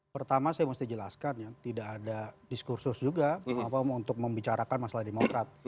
pertama saya mesti jelaskan ya tidak ada diskursus juga untuk membicarakan masalah demokrat